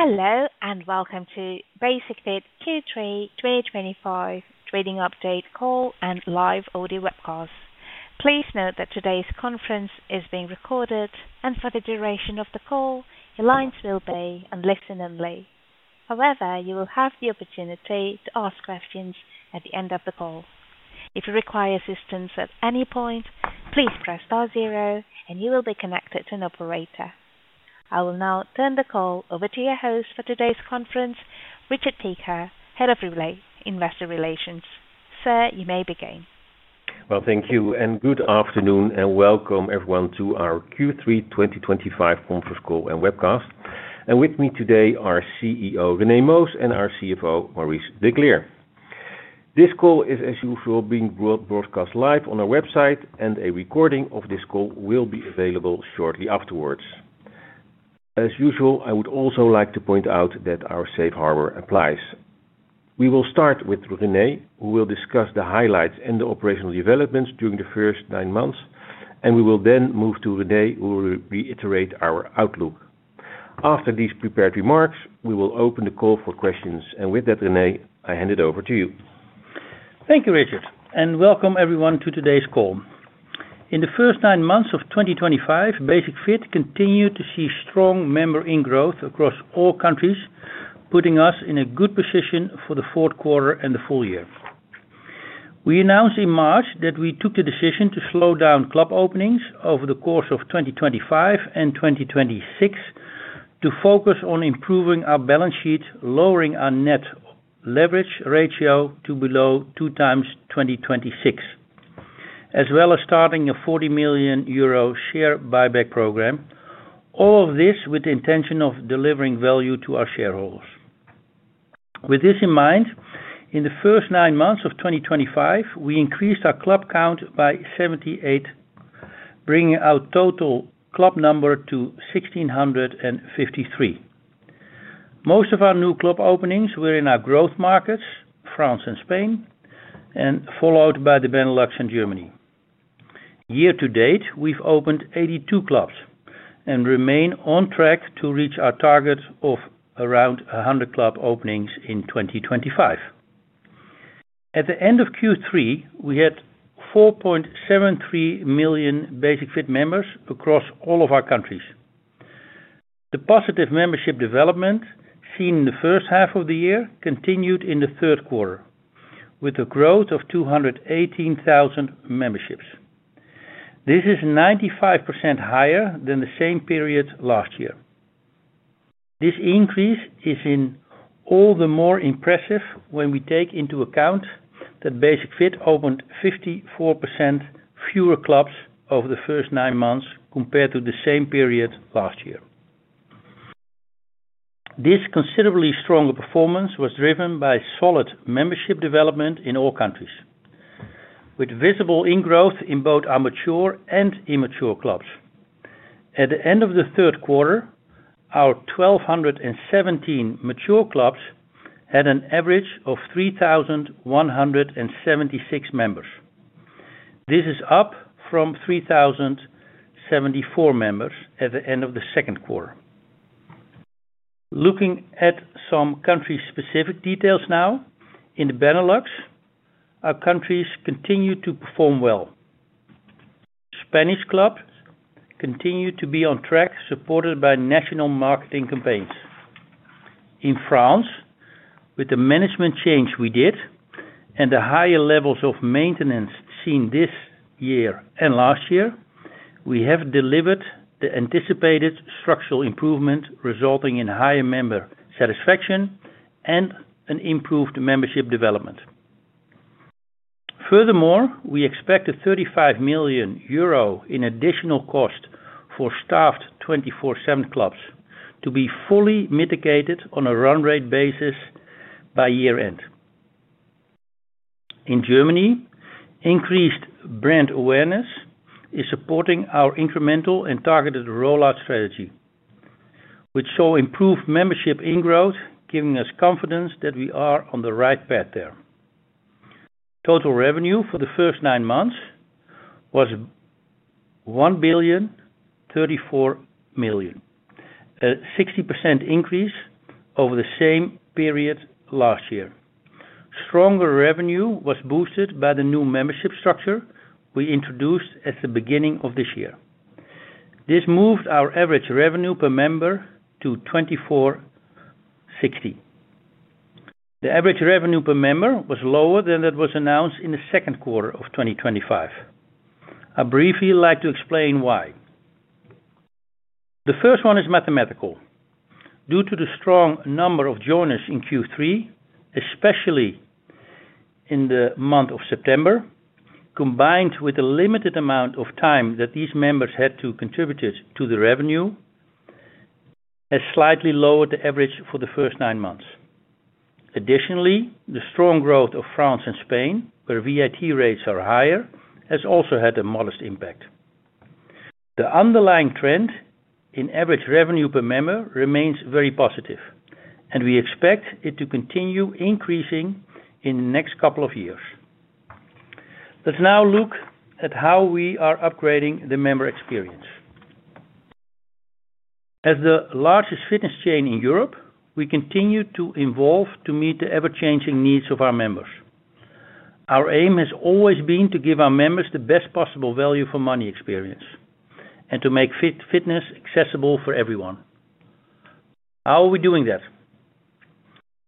Hello and welcome to Basic-Fit Q3 2024 trading update call and live audio webcast. Please note that today's conference is being recorded and for the duration of the call, your lines will be on listen only. However, you will have the opportunity to ask questions at the end of the call. If you require assistance at any point, please press star zero and you will be connected to an operator. I will now turn the call over to your host for today's conference, Richard Piekaar, Head of Investor Relations. Sir, you may begin. Thank you and good afternoon and welcome everyone to our Q3 2025 conference call and webcast. With me today are CEO René Moos and our CFO Maurice de Kleer. This call is, as usual, being broadcast live on our website, and a recording of this call will be available shortly afterwards. As usual, I would also like to point out that our safe harbor applies. We will start with René, who will discuss the highlights and the operational developments during the first nine months, and we will then move to René, who will reiterate our outlook. After these prepared remarks, we will open the call for questions, and with that, René, I hand it over to you. Thank you, Richard, and welcome everyone to today's call. In the first nine months of 2025, Basic-Fit continued to see strong member in-growth across all countries, putting us in a good position for the fourth quarter and the full year. We announced in March that we took the decision to slow down club openings over the course of 2025 and 2026 to focus on improving our balance sheet, lowering our net leverage ratio to below 2x in 2026, as well as starting a 40 million euro share buyback program. All of this with the intention of delivering value to our shareholders. With this in mind, in the first nine months of 2025, we increased our club count by 78, bringing our total club number to 1,653. Most of our new club openings were in our growth markets, France and Spain, followed by the Benelux and Germany. Year to date, we've opened 82 clubs and remain on track to reach our target of around 100 club openings in 2025. At the end of Q3, we had 4.73 million Basic-Fit members across all of our countries. The positive membership development seen in the first half of the year continued in the third quarter with a growth of 218,000 memberships. This is 95% higher than the same period last year. This increase is all the more impressive when we take into account that Basic-Fit opened 54% fewer clubs over the first nine months compared to the same period last year. This considerably stronger performance was driven by solid membership development in all countries, with visible in-growth in both our mature and immature clubs. At the end of the third quarter, our 1,217 mature clubs had an average of 3,176 members. This is up from 3,074 members at the end of the second quarter. Looking at some country-specific details now, in the Benelux, our countries continue to perform well. Spanish clubs continue to be on track, supported by national marketing campaigns. In France, with the management change we did and the higher levels of maintenance seen this year and last year, we have delivered the anticipated structural improvement resulting in higher member satisfaction and an improved membership development. Furthermore, we expect a 35 million euro in additional cost for staffed 24/7 club operations to be fully mitigated on a run-rate basis by year-end. In Germany, increased brand awareness is supporting our incremental and targeted rollout strategy, which shows improved membership in-growth, giving us confidence that we are on the right path there. Total revenue for the first nine months was 1.034 billion, a 60% increase over the same period last year. Stronger revenue was boosted by the new membership structure we introduced at the beginning of this year. This moved our average revenue per member to 24.60. The average revenue per member was lower than what was announced in the second quarter of 2025. I’d briefly like to explain why. The first one is mathematical. Due to the strong number of joiners in Q3, especially in the month of September, combined with the limited amount of time that these members had to contribute to the revenue, it has slightly lowered the average for the first nine months. Additionally, the strong growth of France and Spain, where VAT rates are higher, has also had a modest impact. The underlying trend in average revenue per member remains very positive, and we expect it to continue increasing in the next couple of years. Let's now look at how we are upgrading the member experience. As the largest fitness chain in Europe, we continue to evolve to meet the ever-changing needs of our members. Our aim has always been to give our members the best possible value-for-money experience and to make fitness accessible for everyone. How are we doing that?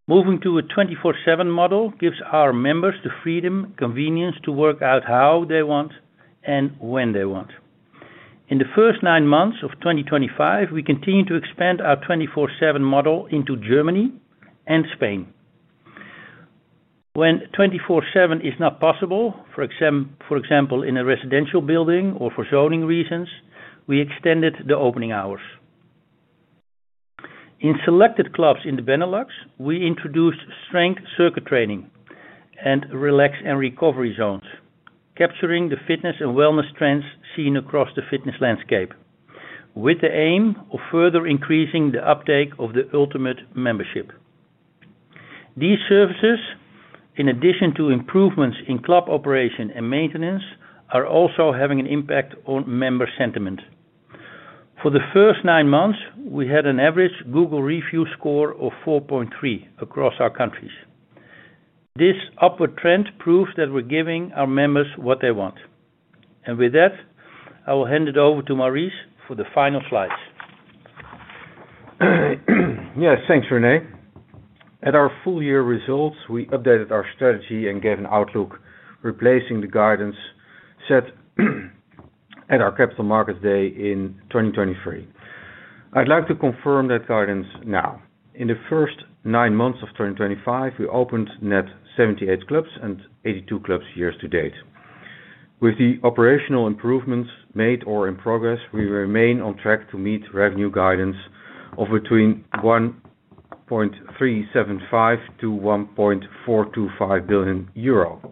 Moving to a 24/7 model gives our members the freedom and convenience to work out how they want and when they want. In the first nine months of 2025, we continue to expand our 24/7 model into Germany and Spain. When 24/7 is not possible, for example, in a residential building or for zoning reasons, we extended the opening hours. In selected clubs in the Benelux, we introduced strength circuit training and relax and recovery zones, capturing the fitness and wellness trends seen across the fitness landscape, with the aim of further increasing the uptake of the Ultimate membership. These services, in addition to improvements in club operation and maintenance, are also having an impact on member sentiment. For the first nine months, we had an average Google review score of 4.3 across our countries. This upward trend proves that we're giving our members what they want. With that, I will hand it over to Maurice for the final slides. Yes, thanks René. At our full year results, we updated our strategy and gave an outlook replacing the guidance set at our Capital Markets Day in 2023. I'd like to confirm that guidance now. In the first nine months of 2025, we opened net 78 clubs and 82 clubs year to date. With the operational improvements made or in progress, we remain on track to meet revenue guidance of between 1.375 billion-1.425 billion euro.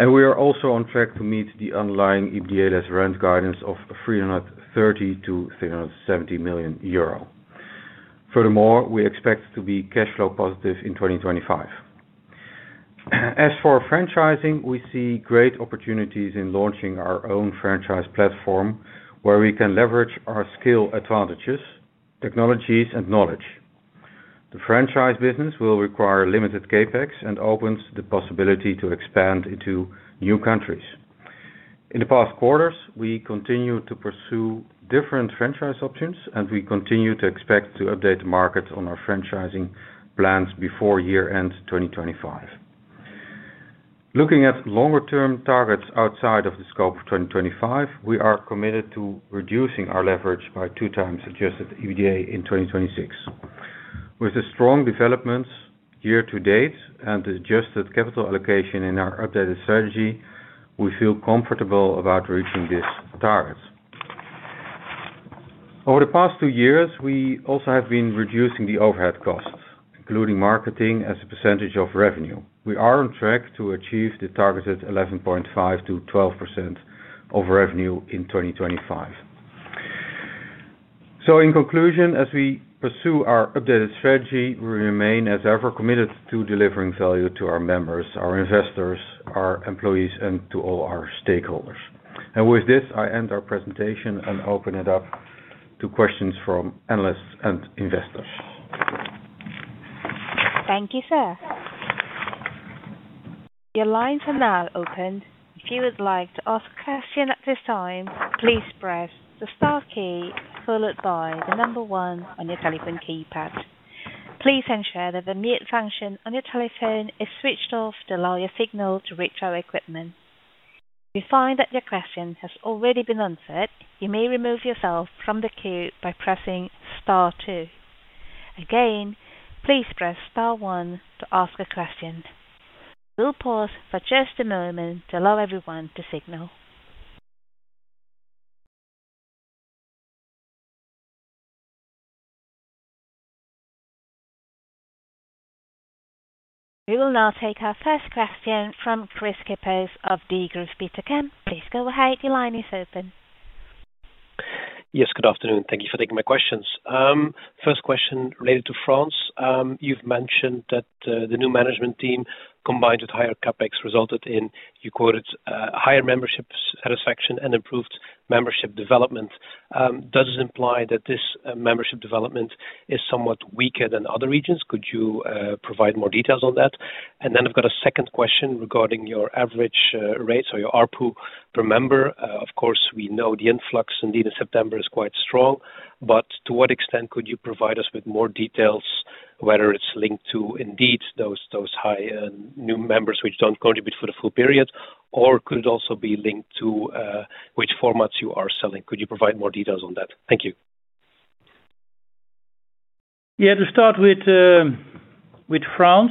We are also on track to meet the underlying EBITDA less rent guidance of 330 million-370 million euro. Furthermore, we expect to be cash flow positive in 2025. As for franchising, we see great opportunities in launching our own franchise platform where we can leverage our scale advantages, technologies, and knowledge. The franchise business will require limited CapEx and opens the possibility to expand into new countries. In the past quarters, we continue to pursue different franchise options, and we continue to expect to update the market on our franchising plans before year-end 2025. Looking at longer-term targets outside of the scope of 2025, we are committed to reducing our leverage by 2x adjusted EBITDA in 2026. With the strong developments year to date and the adjusted capital allocation in our updated strategy, we feel comfortable about reaching this target. Over the past two years, we also have been reducing the overhead costs, including marketing as a percentage of revenue. We are on track to achieve the targeted 11.5%-12% of revenue in 2025. In conclusion, as we pursue our updated strategy, we remain as ever committed to delivering value to our members, our investors, our employees, and to all our stakeholders. With this, I end our presentation and open it up to questions from analysts and investors. Thank you, sir. Your lines are now open. If you would like to ask a question at this time, please press the star key followed by the number one on your telephone keypad. Please ensure that the mute function on your telephone is switched off to allow your signal to reach our equipment. If you find that your question has already been answered, you may remove yourself from the queue by pressing star two. Again, please press star one to ask a question. We'll pause for just a moment to allow everyone to signal. We will now take our first question from Kris Kippers of Degroof Petercam. Please go ahead, your line is open. Yes, good afternoon. Thank you for taking my questions. First question related to France. You've mentioned that the new management team combined with higher CapEx resulted in, you quoted, higher membership satisfaction and improved membership development. Does this imply that this membership development is somewhat weaker than other regions? Could you provide more details on that? I've got a second question regarding your average rates or your ARPU per member. Of course, we know the influx indeed in September is quite strong, but to what extent could you provide us with more details, whether it's linked to indeed those high new members which don't contribute for the full period, or could it also be linked to which formats you are selling? Could you provide more details on that? Thank you. Yeah, to start with France,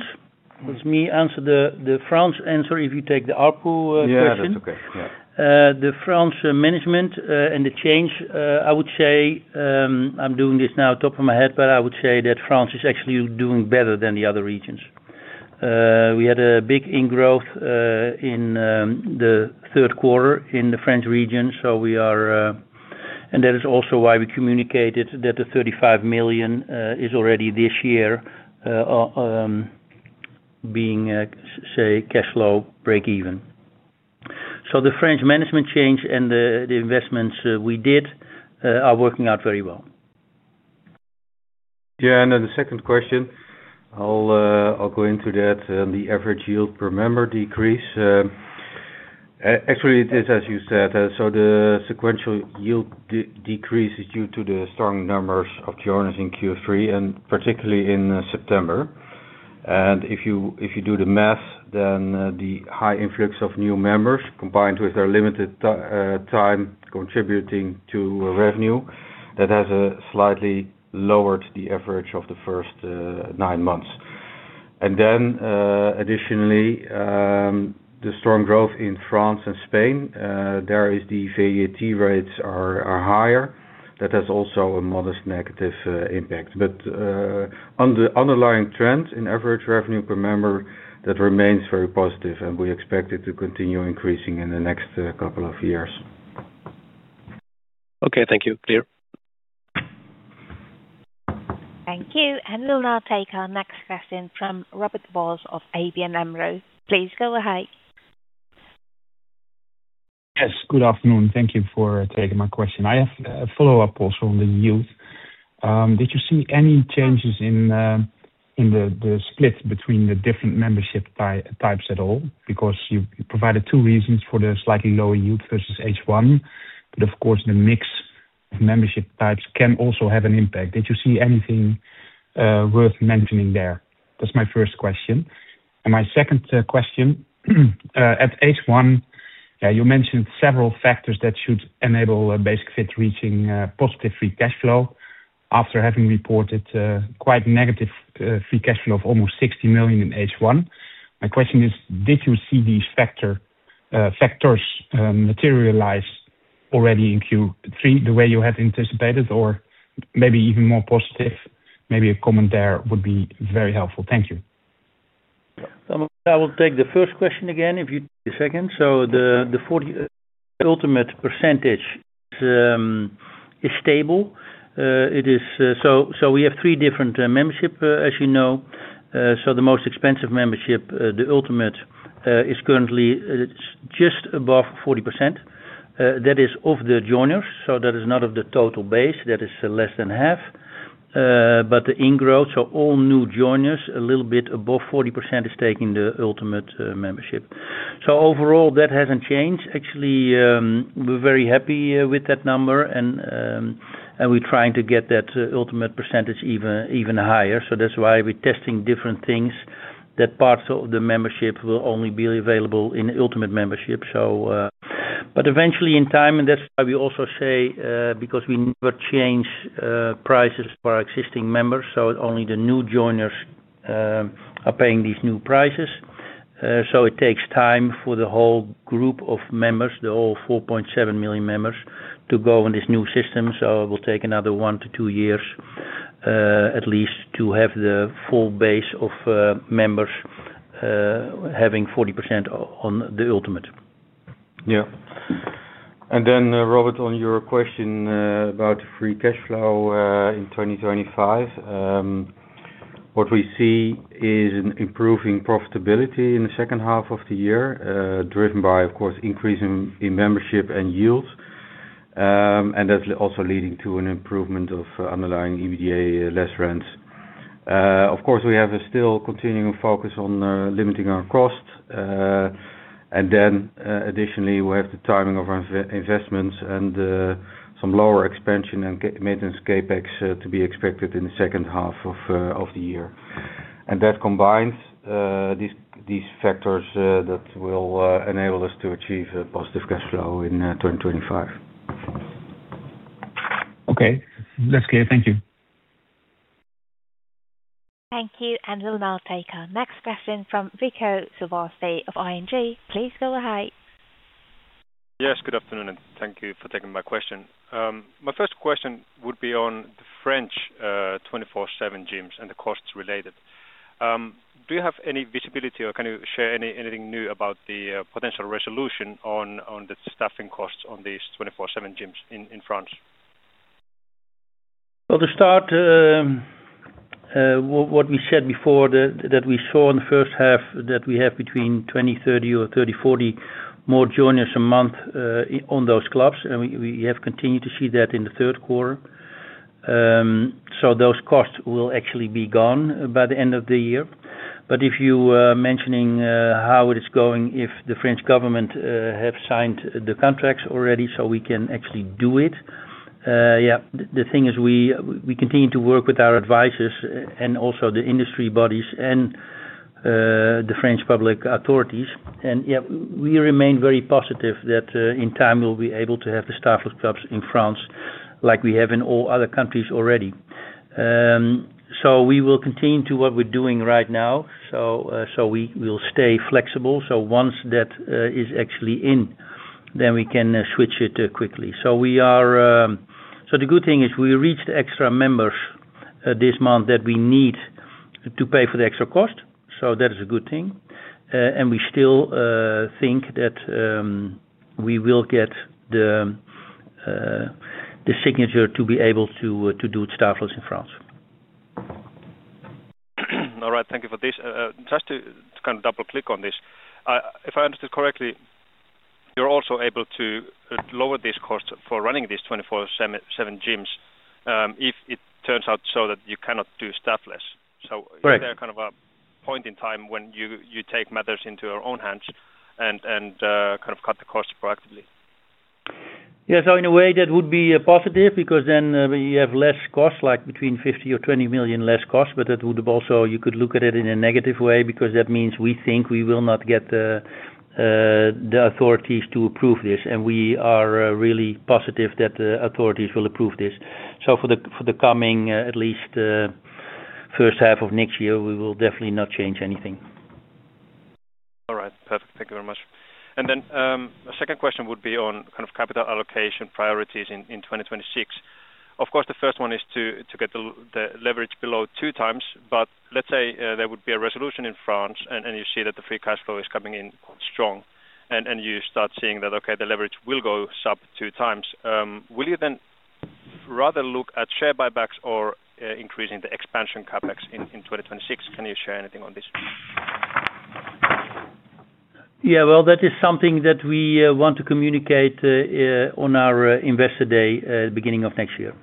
because me answer the France answer if you take the ARPU question. Yeah, that's okay. The France management and the change, I would say, I'm doing this now at the top of my head, but I would say that France is actually doing better than the other regions. We had a big in-growth in the third quarter in the French region. That is also why we communicated that the 35 million is already this year being, say, cash flow break-even. The French management change and the investments we did are working out very well. Yeah, the second question, I'll go into that. The average yield per member decrease. Actually, it is as you said. The sequential yield decrease is due to the strong numbers of joiners in Q3 and particularly in September. If you do the math, the high influx of new members combined with their limited time contributing to revenue has slightly lowered the average of the first nine months. Additionally, the strong growth in France and Spain, where the VAT rates are higher, has also a modest negative impact. On the underlying trend in average revenue per member, that remains very positive and we expect it to continue increasing in the next couple of years. Okay, thank you. Clear. Thank you. We'll now take our next question from Robert Vos of ABN AMRO. Please go ahead. Yes, good afternoon. Thank you for taking my question. I have a follow-up also on the yield. Did you see any changes in the split between the different membership types at all? You provided two reasons for the slightly lower yield versus H1. Of course, the mix of membership types can also have an impact. Did you see anything worth mentioning there? That's my first question. My second question, at H1, you mentioned several factors that should enable Basic-Fit reaching positive free cash flow after having reported quite negative free cash flow of almost 60 million in H1. My question is, did you see these factors materialize already in Q3 the way you had anticipated or maybe even more positive? Maybe a comment there would be very helpful. Thank you. I will take the first question again if you take a second. The ultimate percentage is stable. We have three different memberships, as you know. The most expensive membership, the Ultimate, is currently just above 40%. That is of the joiners, not of the total base. That is less than half. The in-growth, so all new joiners, a little bit above 40% is taking the Ultimate membership. Overall, that hasn't changed. Actually, we're very happy with that number and we're trying to get that ultimate percentage even higher. That's why we're testing different things, that parts of the membership will only be available in the Ultimate membership. Eventually in time, and that's why we also say, because we never change prices for our existing members, only the new joiners are paying these new prices. It takes time for the whole group of members, the whole 4.7 million members, to go in this new system. It will take another one to two years, at least, to have the full base of members having 40% on the Ultimate. Yeah. Robert, on your question about the free cash flow in 2025, what we see is an improving profitability in the second half of the year, driven by, of course, increasing membership and yields. That's also leading to an improvement of underlying EBITDA less rent. Of course, we have a still continuing focus on limiting our cost. Additionally, we have the timing of our investments and some lower expansion and maintenance CapEx to be expected in the second half of the year. That combines these factors that will enable us to achieve a positive cash flow in 2025. Okay, that's clear. Thank you. Thank you. We'll now take our next question from Rico Savarsi of ING. Please go ahead. Yes, good afternoon and thank you for taking my question. My first question would be on the French 24/7 club operations and the costs related. Do you have any visibility or can you share anything new about the potential resolution on the staffing costs on these 24/7 club operations in France? To start, what we said before is that we saw in the first half that we have between 20, 30, or 30, 40 more joiners a month on those clubs, and we have continued to see that in the third quarter. Those costs will actually be gone by the end of the year. If you are mentioning how it is going, if the French government has signed the contracts already, we can actually do it. The thing is we continue to work with our advisors and also the industry bodies and the French public authorities. We remain very positive that in time we'll be able to have the staffless clubs in France like we have in all other countries already. We will continue to do what we're doing right now. We will stay flexible. Once that is actually in, then we can switch it quickly. The good thing is we reached extra members this month that we need to pay for the extra cost. That is a good thing. We still think that we will get the signature to be able to do it staffless in France. All right, thank you for this. Just to kind of double-click on this, if I understood correctly, you're also able to lower these costs for running these 24/7 club operations if it turns out so that you cannot do unstaffed 24/7 clubs. Correct. Is there kind of a point in time when you take matters into your own hands and kind of cut the costs proactively? In a way that would be positive because then we have less costs, like between 50 million or 20 million less costs, but you could look at it in a negative way because that means we think we will not get the authorities to approve this. We are really positive that the authorities will approve this. For the coming, at least, first half of next year, we will definitely not change anything. All right, perfect. Thank you very much. A second question would be on kind of capital allocation priorities in 2026. Of course, the first one is to get the leverage below 2x, but let's say there would be a resolution in France and you see that the free cash flow is coming in strong and you start seeing that, okay, the leverage will go sub 2x. Will you then rather look at share buybacks or increasing the expansion CapEx in 2026? Can you share anything on this? Yeah, that is something that we want to communicate on our investor day at the beginning of next year.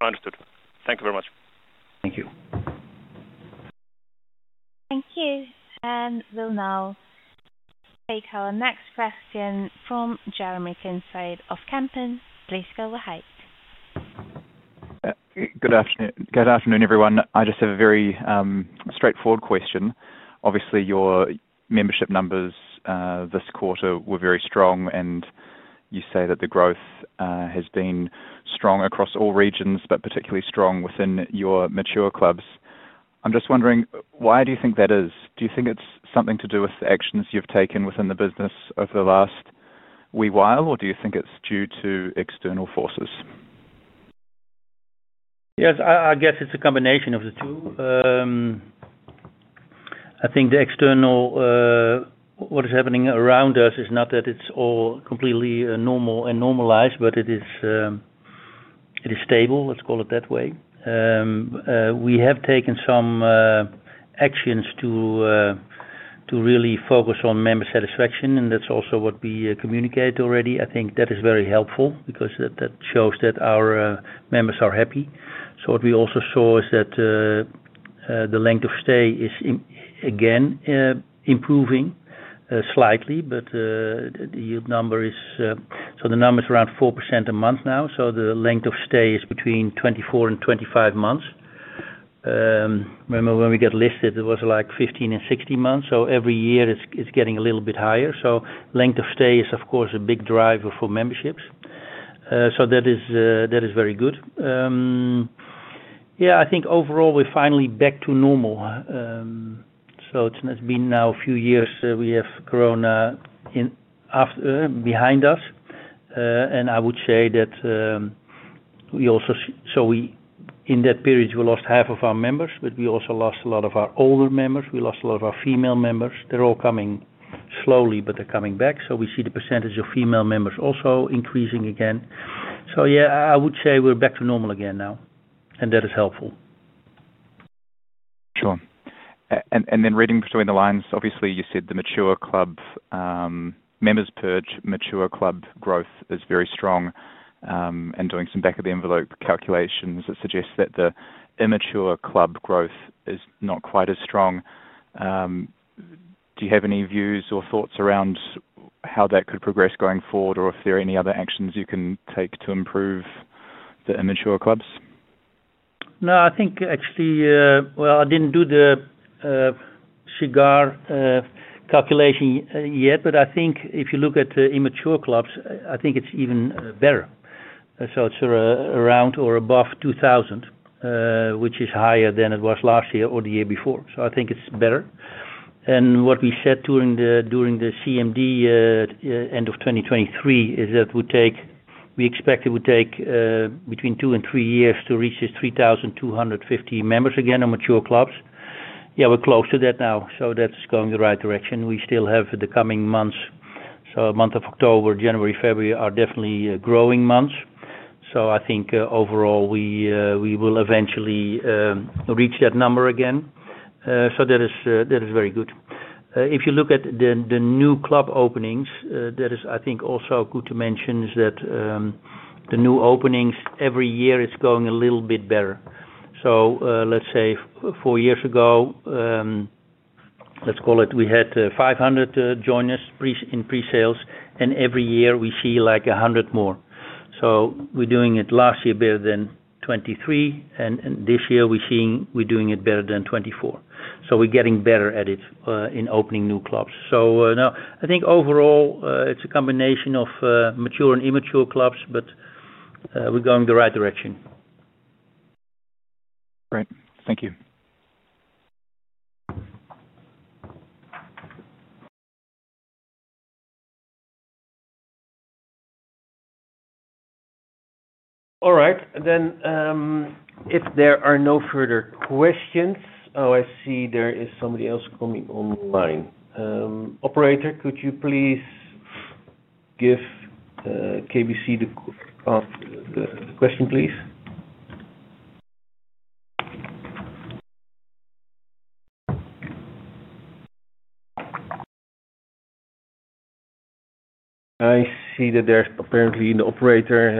Understood. Thank you very much. Thank you. Thank you. We'll now take our next question from Jeremy Kinsof Kempen. Please go ahead. Good afternoon, everyone. I just have a very straightforward question. Obviously, your membership numbers this quarter were very strong, and you say that the growth has been strong across all regions, but particularly strong within your mature clubs. I'm just wondering, why do you think that is? Do you think it's something to do with the actions you've taken within the business over the last wee while, or do you think it's due to external forces? Yes, I guess it's a combination of the two. I think the external, what is happening around us is not that it's all completely normal and normalized, but it is stable, let's call it that way. We have taken some actions to really focus on member satisfaction, and that's also what we communicated already. I think that is very helpful because that shows that our members are happy. What we also saw is that the length of stay is again improving slightly, but the yield number is, so the number is around 4% a month now. The length of stay is between 24 and 25 months. Remember when we got listed, it was like 15 and 16 months. Every year it's getting a little bit higher. Length of stay is, of course, a big driver for memberships. That is very good. I think overall we're finally back to normal. It's been now a few years we have corona behind us. I would say that we also, in that period, we lost half of our members, but we also lost a lot of our older members. We lost a lot of our female members. They're all coming slowly, but they're coming back. We see the percentage of female members also increasing again. I would say we're back to normal again now. That is helpful. Sure. You said the mature club members per mature club growth is very strong. Doing some back of the envelope calculations, it suggests that the immature club growth is not quite as strong. Do you have any views or thoughts around how that could progress going forward, or if there are any other actions you can take to improve the immature clubs? No, I think actually, I didn't do the SIGAR calculation yet, but I think if you look at the immature clubs, I think it's even better. It's around or above 2,000, which is higher than it was last year or the year before. I think it's better. What we said during the CMD end of 2023 is that we expect it would take between two and three years to reach 3,250 members again on mature clubs. Yeah, we're close to that now. That's going in the right direction. We still have the coming months. A month of October, January, February are definitely growing months. I think overall we will eventually reach that number again. That is very good. If you look at the new club openings, that is, I think, also good to mention is that the new openings every year are going a little bit better. Let's say four years ago, let's call it we had 500 joiners in pre-sales, and every year we see like 100 more. We're doing it last year better than 2023, and this year we're seeing we're doing it better than 2024. We're getting better at it in opening new clubs. No, I think overall it's a combination of mature and immature clubs, but we're going in the right direction. Great. Thank you. All right. If there are no further questions—oh, I see there is somebody else coming online. Operator, could you please give KBC the question, please? I see that apparently the operator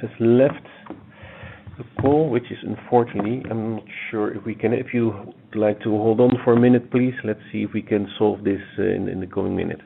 has left the call, which is unfortunate. I'm not sure if you would like to hold on for a minute, please. Let's see if we can solve this in the coming minute.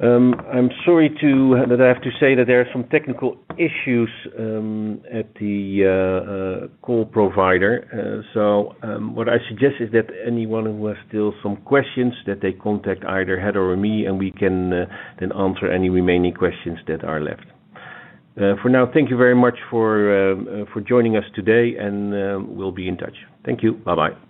I'm sorry that I have to say that there are some technical issues at the call provider. What I suggest is that anyone who still has some questions contact either Head or me, and we can then answer any remaining questions that are left. For now, thank you very much for joining us today, and we'll be in touch. Thank you. Bye-bye.